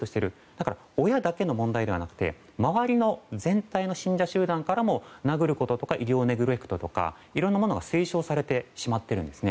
だから親だけの問題ではなくて周りの全体の信者集団からも殴ることや医療ネグレクトなどいろいろなことが推奨されてしまっているんです。